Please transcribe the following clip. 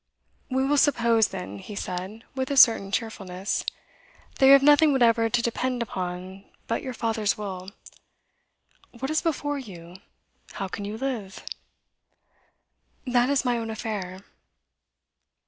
'We will suppose then,' he said, with a certain cheerfulness, 'that you have nothing whatever to depend upon but your father's will. What is before you? How can you live?' 'That is my own affair.